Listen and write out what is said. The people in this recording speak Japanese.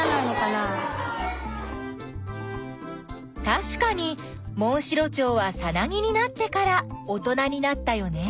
たしかにモンシロチョウはさなぎになってから大人になったよね。